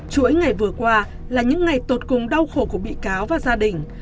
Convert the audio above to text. chuỗi ngày vừa qua là những ngày tột cùng đau khổ của bị cáo và gia đình